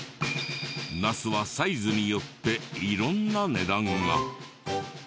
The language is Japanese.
ナスはサイズによって色んな値段が。